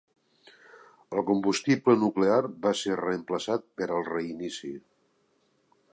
El combustible nuclear va ser reemplaçat per al reinici.